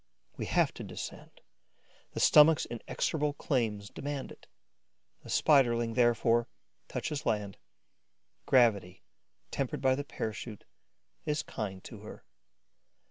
We have to descend; the stomach's inexorable claims demand it. The Spiderling, therefore, touches land. Gravity, tempered by the parachute, is kind to her.